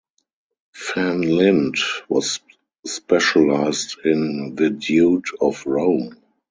Van Lint was specialized in vedute of Rome.